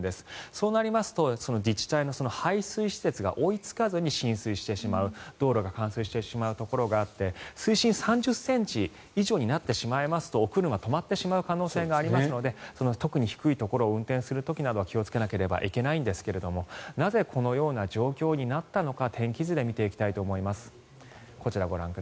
そうなりますと自治体の排水施設が追いつかずに浸水してしまう道路が冠水してしまうところがあって水深３０ｃｍ以上になると車が止まってしまう可能性がありますので特に低いところを運転する時は気をつけなければいけないんですがなぜこのような状況になったのか天気図で見ていきたいと思います。